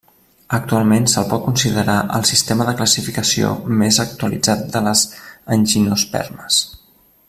Actualment se'l pot considerar el sistema de classificació més actualitzat de les angiospermes.